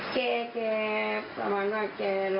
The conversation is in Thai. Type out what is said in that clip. แกประมาณว่าแกลองปืนหรอ